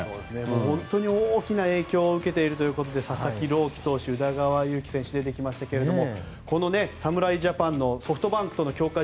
本当に大きな影響を受けているということで佐々木朗希投手宇田川優希投手出てきましたが侍ジャパンのソフトバンクとの強化